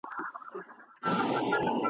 دا یو څو ورځي ژوندون دی نازوه مي !.